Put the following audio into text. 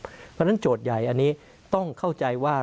เพราะฉะนั้นโจทย์ใหญ่อันนี้ต้องเข้าใจว่า